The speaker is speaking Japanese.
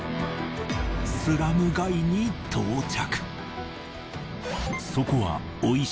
スラム街に到着。